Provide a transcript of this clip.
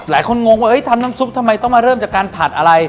งงว่าทำน้ำซุปทำไมต้องมาเริ่มจากการผัดอะไร